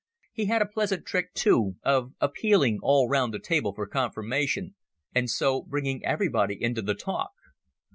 He had a pleasant trick, too, of appealing all round the table for confirmation, and so bringing everybody into the talk.